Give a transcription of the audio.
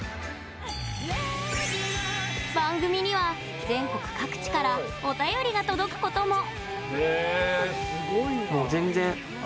番組には全国各地からお便りが届くことも。